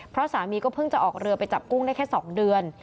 เพราะสามีก็เพิ่งจะออกเรือไปจับกุ้งได้แค่๒เดือน